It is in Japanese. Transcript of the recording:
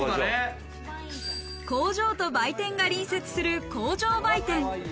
工場と売店が隣接する工場売店。